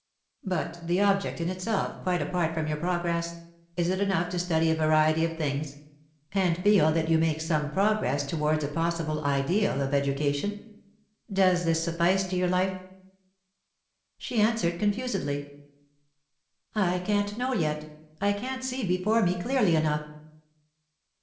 "But the object, in itself, quite apart from your progress? Is it enough to study a variety of things, and feel that you make some progress towards a possible ideal of education? Does this suffice to your life?" She answered confusedly: "I can't know yet; I can't see before me clearly enough."